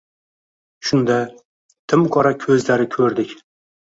Shunda, tim qora ko’zlari ko’rding